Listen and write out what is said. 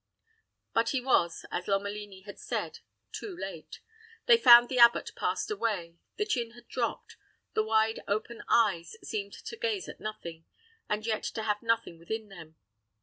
But he was, as Lomelini had said, too late. They found the abbot passed away, the chin had dropped, the wide open eyes seemed to gaze at nothing, and yet to have nothing within them.